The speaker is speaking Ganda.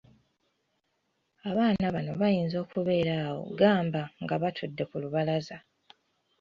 Abaana bano bayinza okubeera awo gamba nga batudde ku lubalaza.